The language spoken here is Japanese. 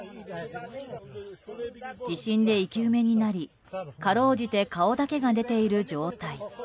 地震で生き埋めになりかろうじて顔だけが出ている状態。